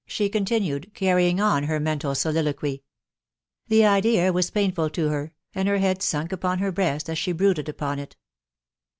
shav continued, carrying on her mental: soliloquy. The idea* warn painful to her, and her head sunk upon her breast . am she brooded upon it.